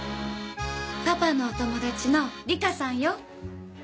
パパのお友達の梨花さんよ。